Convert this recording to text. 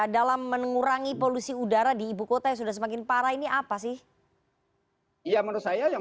dalam mengurangi polusi udara di ibu kota yang sudah semakin parah ini apa sih ya menurut saya yang